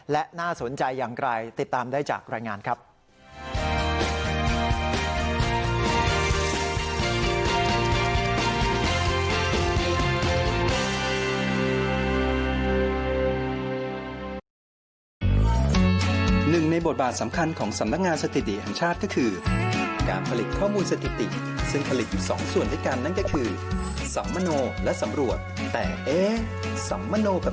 และน่าสนใจอย่างไรติดตามได้จากรายงานครับ